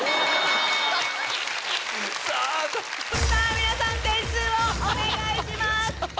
皆さん点数をお願いします。